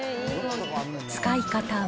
使い方は、